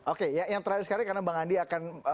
oke yang terakhir sekali karena bang andi akan